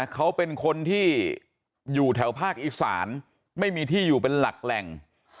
เขาเป็นคนที่อยู่แถวภาคอีสานไม่มีที่อยู่เป็นหลักแหล่ง